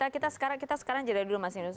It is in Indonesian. kita sekarang jeda dulu mas indus